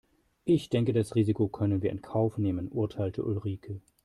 Ich denke das Risiko können wir in Kauf nehmen, urteilte Ulrike.